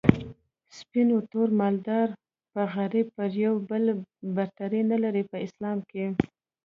سپين په تور مالدار په غريب پر يو بل برتري نلري په اسلام کي